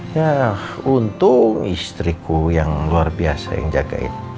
yah untung istriku yang luar biasa yang jagain